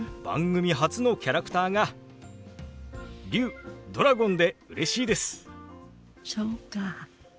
番組初のキャラクターが龍ドラゴンでうれしいです。